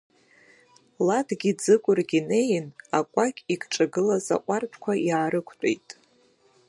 Ладгьы Ӡыкәыргьы неин, акәакь игҿагылаз аҟәардәқәа иаарықәтәеит.